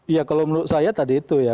ya kalau menurut saya tadi itu ya